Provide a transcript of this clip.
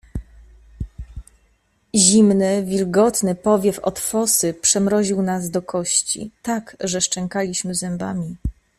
"Zimny, wilgotny powiew od fosy przemroził nas do kości tak, że szczękaliśmy zębami."